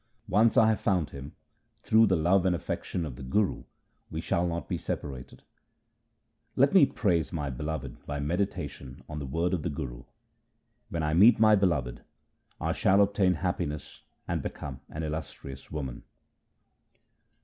Once I have found Him, through the love and affection of the Guru, we shall not be separated. SIKH. II Q 226 THE SIKH RELIGION Let me praise my Beloved by meditation on the word of the Guru. When I meet my Beloved, I shall obtain happiness and become an illustrious woman.